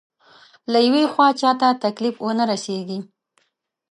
له يوې خوا چاته تکليف ونه رسېږي.